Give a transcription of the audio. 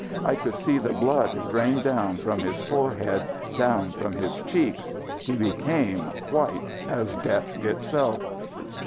I could see the blood drain down from his forehead, down from his cheeks. He became white as death itself.